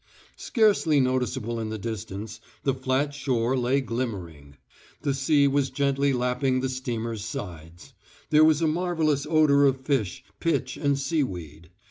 Scarcely noticeable in the distance, the flat shore lay glimmering. The sea was gently lapping the steamer's sides. There was a marvellous odour of fish, pitch and seaweed.